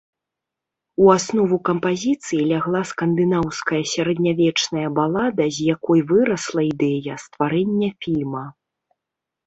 У аснову кампазіцыі лягла скандынаўская сярэднявечная балада, з якой вырасла ідэя стварэння фільма.